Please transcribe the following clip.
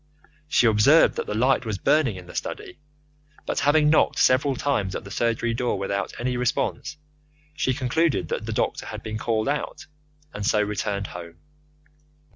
She observed that the light was burning in the study, but having knocked several times at the surgery door without response, she concluded that the doctor had been called out, and so returned home.